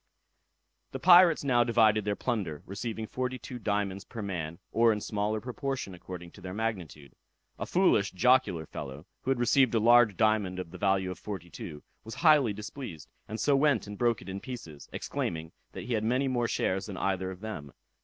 The pirates now divided their plunder, receiving forty two diamonds per man, or in smaller proportion according to their magnitude. A foolish jocular fellow, who had received a large diamond of the value of forty two, was highly displeased, and so went and broke it in pieces, exclaiming, that he had many more shares than either of them.